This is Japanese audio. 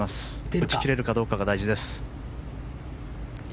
打ち切れるかどうかが大事です。